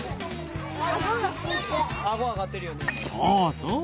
そうそう。